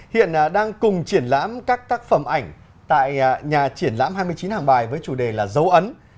hiện đang cùng triển lãm các tác phẩm ảnh tại nhà triển lãm hai mươi chín hàng bài với chủ đề là dấu ấn